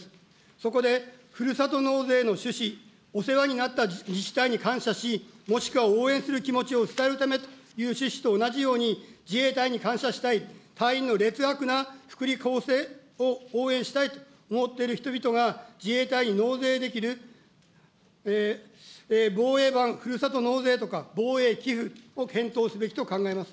そこで、ふるさと納税の趣旨、お世話になった自治体に感謝し、もしくは応援する気持ちを伝えるためという趣旨と同じように、自衛隊に感謝したい、隊員の劣悪な福利厚生を応援したいと思っている人々が、自衛隊に納税できる、防衛版ふるさと納税とか、防衛寄付を検討すべきと考えます。